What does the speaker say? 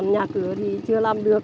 còn nhà cửa thì chưa làm được